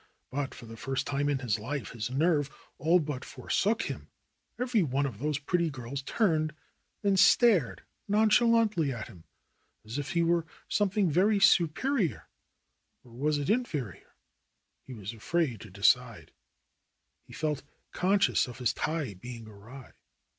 But for the first time in his life his nerve all but forsook him. Every one of those pretty girls turned and stared nonchalantly at him, as if he were something very 4 THE ROSE COLORED WORLD superior, or was it inferior? He was afraid to decide. He felt conscious of his tie being awry.